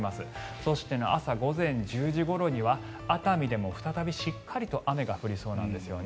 そして、朝午前１０時ごろには熱海でも再びしっかりと雨が降りそうなんですよね。